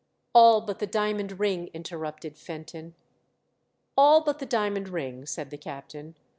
All but the diamond ring," interrupted Fenton. " All but the diamond ring," said the captain.